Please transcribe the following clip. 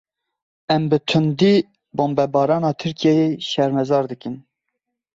Em bi tundî bombebarana Tirkiyeyê şermezar dikin.